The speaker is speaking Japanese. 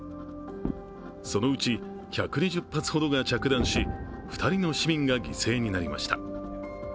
そのうち１２０発ほどが着弾し２人の市民が犠牲となりました。